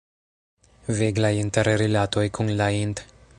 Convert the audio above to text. Viglaj interrilatoj kun la int.